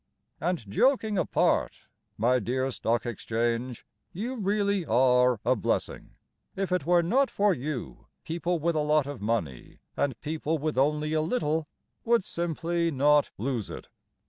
And joking apart, my dear Stock Exchange, You really are a blessing. If it were not for you People with a lot of money, And people with only a little, Would simply not lose it.